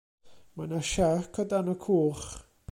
Mae 'na siarc o dan y cwch.